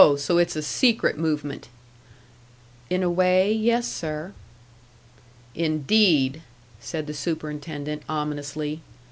So it's a secret movement!" "In a way yes, sir." "Indeed!" said the superintendent, ominously.